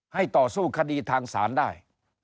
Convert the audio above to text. ต่อสู้คดีทางศาลได้